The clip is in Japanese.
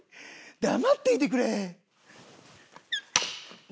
黙っていてくれ！